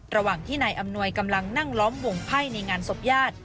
ระหว่างที่นายอำนวยกำลังนั่งล้อมวงไพ่ในงานศพญาติ